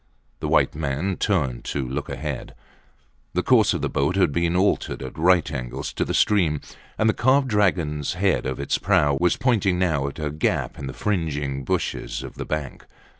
The white man turned to look ahead. The course of the boat had been altered at right angles to the stream, and the carved dragon head of its prow was pointing now at a gap in the fringing bushes of the bank.